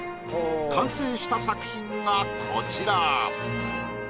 完成した作品がこちら。